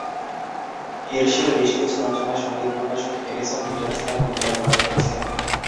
হের্শের বেশ কিছু রচনা সঙ্গীত প্রকাশক এডিসন পিটার্স দ্বারা অনুবাদ করা হয়েছে।